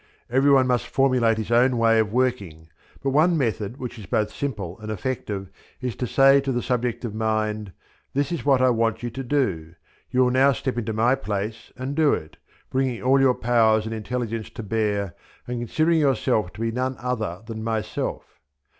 Everyone must formulate his own way of working, but one method, which is both simple and effective is to say to the subjective mind, "This is what I want you to do; you will now step into my place and do it, bringing all your powers and intelligence to bear, and considering yourself to be none other than myself."